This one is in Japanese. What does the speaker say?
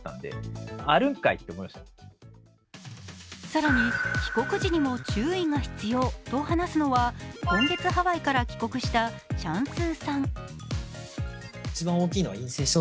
更に、帰国時にも注意が必要と話すのは今月ハワイから帰国したちゃんすぅさん。